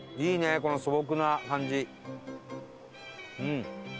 この素朴な感じ。